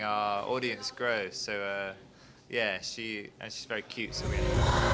jadi iya dia sangat kacak